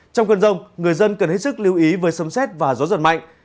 trong cơn rông người dân cần hết sức lưu ý với sấm xét và gió giật mạnh